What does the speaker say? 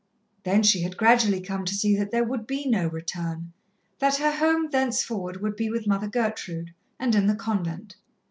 Then she had gradually come to see that there would be no return that her home thenceforward would be with Mother Gertrude, and in the convent.